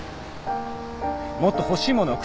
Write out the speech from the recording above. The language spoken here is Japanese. もっと欲しいものを口に出せ。